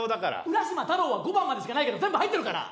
「浦島太郎」は５番までしかないけど全部入ってるから。